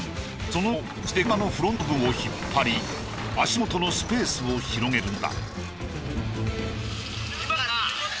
その後ウインチで車のフロント部分を引っ張り足元のスペースを広げるのだ。